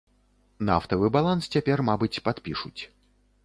Нафтавы баланс цяпер, мабыць, падпішуць.